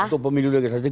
untuk pemilu legislatif